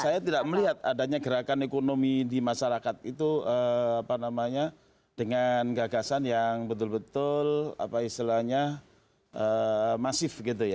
saya tidak melihat adanya gerakan ekonomi di masyarakat itu apa namanya dengan gagasan yang betul betul apa istilahnya masif gitu ya